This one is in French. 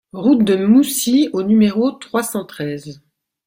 Route de Moussy au numéro trois cent treize